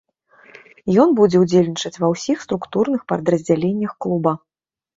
Ён будзе ўдзельнічаць ва ўсіх структурных падраздзяленнях клуба.